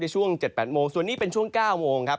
ช่วง๗๘โมงส่วนนี้เป็นช่วง๙โมงครับ